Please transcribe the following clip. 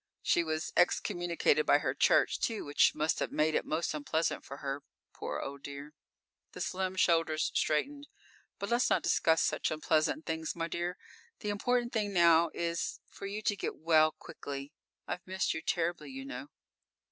She was excommunicated by her church, too, which must have made it most unpleasant for her, poor old dear." The slim shoulders straightened. "But let's not discuss such unpleasant things, my dear. The important thing now is for you to get well quickly. I've missed you terribly, you know."